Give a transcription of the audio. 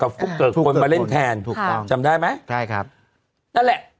ฟุ๊กเกิกคนมาเล่นแทนถูกต้องจำได้ไหมใช่ครับนั่นแหละ